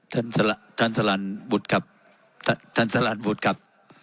ท่านสลันท่านสลันวุฒิครับท่านสลันวุฒิครับ